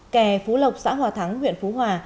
kè phú lộc xã hòa thắng huyện phú hòa